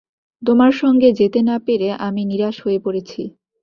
তোমার সঙ্গে যেতে না পেরে আমি নিরাশ হয়ে পড়েছি।